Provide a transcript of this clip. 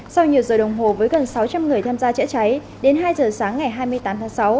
sau nhiều giờ đồng hồ với gần sáu trăm linh người tham gia chữa cháy đến hai giờ sáng ngày hai mươi tám tháng sáu